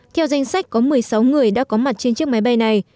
theo danh sách có một mươi sáu người đã có mặt trên chiếc máy bay này